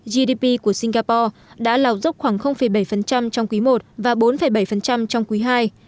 gdp của singapore đã lào dốc khoảng bảy trong quý i và bốn bảy trong quý ii